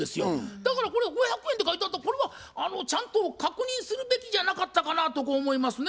だからこれは５００円って書いてあったらこれはちゃんと確認するべきじゃなかったかなとこう思いますね。